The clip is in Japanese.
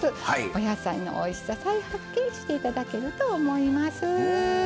お野菜のおいしさ再発見して頂けると思います。